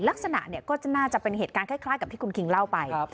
ลักษณะก็น่าจะเป็นเหตุการณ์คล้ายกับที่คุณคิงเล่าไป